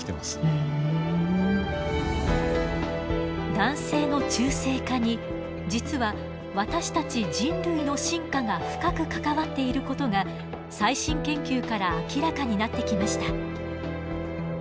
男性の中性化に実は私たち人類の進化が深く関わっていることが最新研究から明らかになってきました。